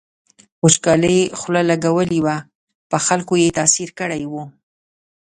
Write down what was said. وچکالۍ خوله لګولې وه په خلکو یې تاثیر کړی و.